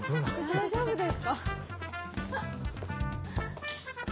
大丈夫ですか？